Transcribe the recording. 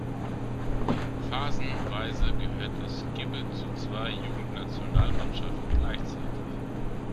Phasenweise gehörte Skibbe zu zwei Jugendnationalmannschaften gleichzeitig.